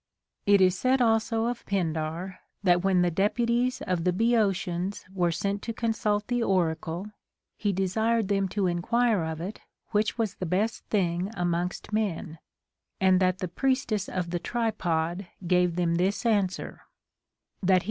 It is said also of Pindar, that when the deputies of the Boeotians were sent to consult the oracle, he desired them to enquire of it which was the best thing amongst men, and that the Priestess of the tripod gave them this answer, — that he 314 CONSOLATION TO APOLLONIUS.